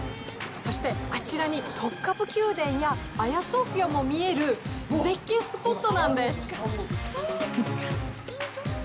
そして、あちらにトプカプ宮殿やアヤソフィアも見える、絶景スポットなんです。